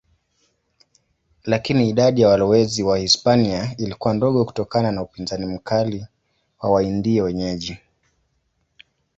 Lakini idadi ya walowezi Wahispania ilikuwa ndogo kutokana na upinzani mkali wa Waindio wenyeji.